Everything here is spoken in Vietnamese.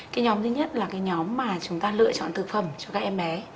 cái nhóm thứ nhất là cái nhóm mà chúng ta lựa chọn thực phẩm cho các em bé